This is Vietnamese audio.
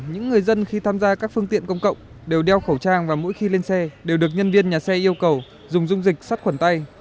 những người dân khi tham gia các phương tiện công cộng đều đeo khẩu trang và mỗi khi lên xe đều được nhân viên nhà xe yêu cầu dùng dung dịch sắt khuẩn tay